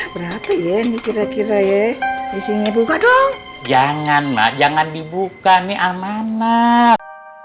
berarti ini kira kira ya isinya buka dong janganlah jangan dibuka nih amanah